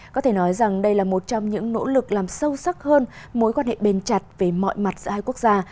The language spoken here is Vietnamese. có thể nói rằng đây là một trong những nỗ lực làm sâu sắc hơn mối quan hệ bền chặt về mọi mặt giữa hai quốc gia